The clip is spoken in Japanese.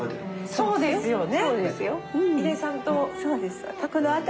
そうですよね。